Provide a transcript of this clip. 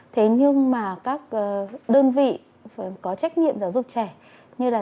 thế nhưng mà các đơn vị có trách nhiệm giáo dục trẻ như là